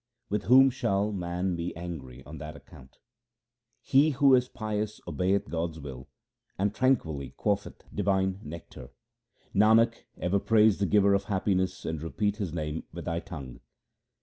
With whom shall man be angry on that account ? He who is pious obeyeth God's will and tranquilly quaffeth divine nectar. Nanak, ever praise the Giver of happiness, and repeat His name with thy tongue.